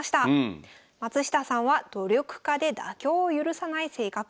松下さんは努力家で妥協を許さない性格